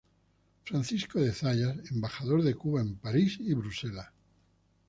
Francisco de Zayas, Embajador de Cuba en París y Bruselas.